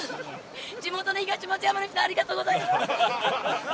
地元の東松山の人ありがとうございます。